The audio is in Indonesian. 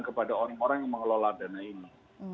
kepada orang orang yang mengelola dana ini